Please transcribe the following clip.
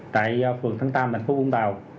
tại phường thắng tam thành phố vũng tàu